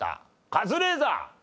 カズレーザー。